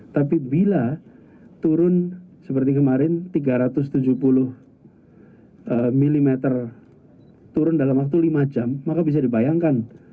tapi bila turun seperti kemarin tiga ratus tujuh puluh mm turun dalam waktu lima jam maka bisa dibayangkan